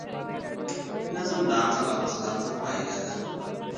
نظم د عقل او اخلاقو پایله ده.